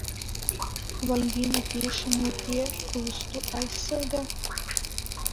Vai viņi tiešām ir tie, kurus tu aizsargā?